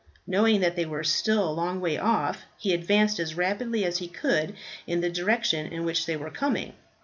Knowing that they were still a long way off, he advanced as rapidly as he could in the direction in which they were coming.